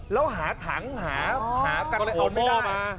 แล้วหาถังหากัดโหดไม่ได้